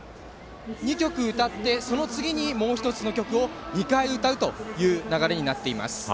２曲歌って、その次にもう１つの曲を２回歌うという流れになっています。